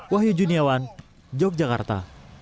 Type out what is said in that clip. wahyu juniawan yogyakarta